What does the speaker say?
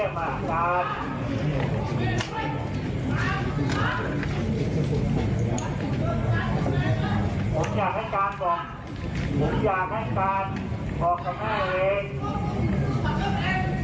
ผมอยากให้การก่อนผมอยากให้การบอกกับแม่เอง